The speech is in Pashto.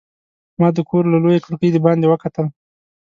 ما د کور له لویې کړکۍ د باندې وکتل.